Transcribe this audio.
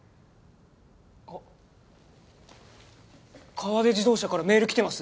河出自動車からメール来てます。